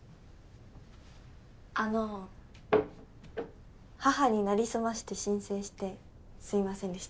あの母になりすまして申請してすいませんでした。